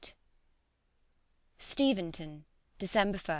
STEVENTON, December 1.